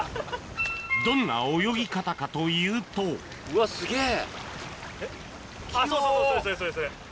どんな泳ぎ方かというとうわすげぇ！